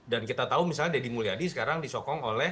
dan kita tahu misalnya deddy mulyadi sekarang disokong oleh